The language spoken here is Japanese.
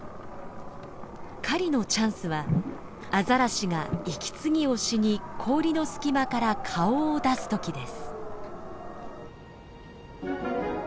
狩りのチャンスはアザラシが息継ぎをしに氷の隙間から顔を出す時です。